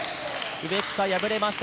植草敗れました。